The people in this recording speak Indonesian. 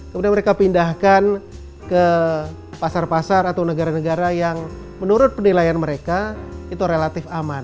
kemudian mereka pindahkan ke pasar pasar atau negara negara yang menurut penilaian mereka itu relatif aman